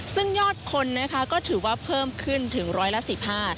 ซึ่งยอดคนนะคะก็ถือว่าเพิ่มขึ้นถึงร้อยละสิบห้า